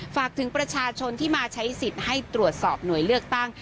ฝากถึงประชาชนที่มาใช้สิทธิ์ให้ตรวจสอบหน่วยเลือกตั้ง